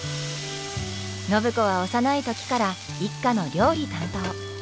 暢子は幼い時から一家の料理担当。